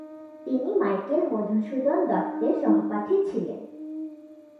তিনি মাইকেল মধুসূদন দত্তের সহপাঠী ছিলেন।